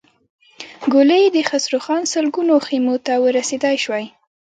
ګولۍ يې د خسروخان سلګونو خيمو ته ور رسېدای شوای.